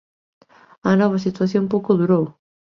A nova situación pouco durou.